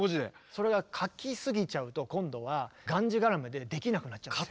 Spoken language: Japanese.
それが書き過ぎちゃうと今度はがんじがらめでできなくなっちゃうんですよ。